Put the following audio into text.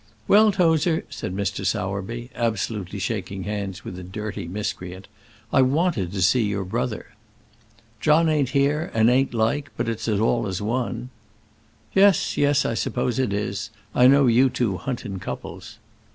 "Well, Tozer," said Mr. Sowerby, absolutely shaking hands with the dirty miscreant, "I wanted to see your brother." "John ain't here, and ain't like; but it's all as one." "Yes, yes; I suppose it is. I know you two hunt in couples."